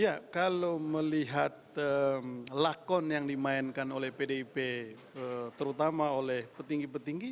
ya kalau melihat lakon yang dimainkan oleh pdip terutama oleh petinggi petinggi